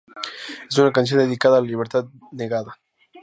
Es una canción dedicada a la libertad negada.